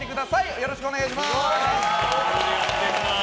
よろしくお願いします。